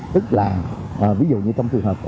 tức là ví dụ như trong trường hợp